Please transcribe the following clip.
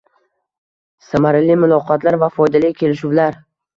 Samarali muloqotlar va foydali kelishuvlar